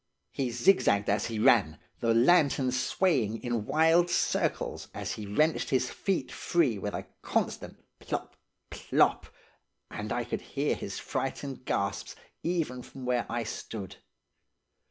He zigzagged as he ran, the lantern swaying, in wild circles as he wrenched his feet free with a constant plop, plop; and I could hear his frightened gasps even from where I stood.